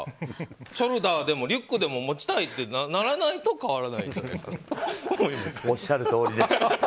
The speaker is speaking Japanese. ショルダーでもリュックでも持ちたいと思わないとおっしゃるとおりです。